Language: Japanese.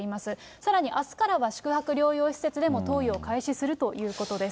さらにあすからは宿泊療養施設でも投与を開始するということです。